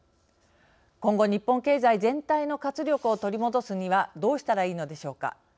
今後日本経済全体の活力を取り戻すにはどうしたらいいのでしょうか。